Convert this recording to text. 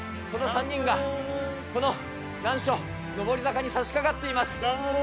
その３人が、この難所、上り坂にさしかかっています。